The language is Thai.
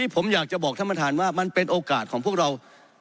ผมอยากจะบอกท่านประธานว่ามันเป็นโอกาสของพวกเรา